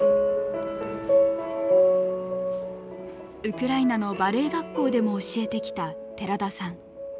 ウクライナのバレエ学校でも教えてきた寺田さん。